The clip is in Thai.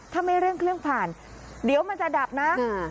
ถ้าไม่เร่งเครื่องผ่านเดี๋ยวมันจะดับนะ